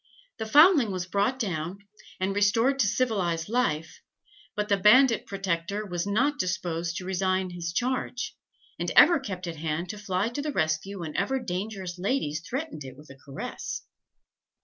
The foundling was brought down, and restored to civilized life, but the bandit protector was not disposed to resign his charge, and ever kept at hand to fly to the rescue whenever dangerous ladies threatened it with a caress."